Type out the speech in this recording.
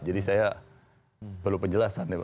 jadi saya perlu penjelasan nih pak